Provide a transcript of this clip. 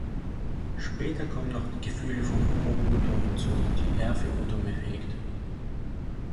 Später kommen noch die Gefühle von Hokuto hinzu, die er für Otome hegt.